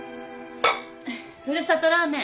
ふるさとラーメン